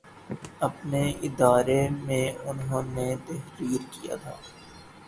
اپنے اداریئے میں انہوں نے تحریر کیا تھا